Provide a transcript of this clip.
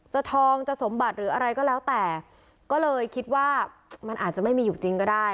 ทองจะสมบัติหรืออะไรก็แล้วแต่ก็เลยคิดว่ามันอาจจะไม่มีอยู่จริงก็ได้